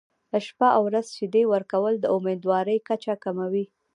شپه او ورځ شیدې ورکول د امیندوارۍ کچه کموي.